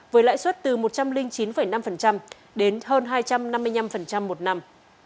với lãi suất từ một trăm linh chín năm đến hơn hai trăm năm mươi năm một năm